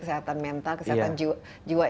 kesehatan mental kesehatan jiwa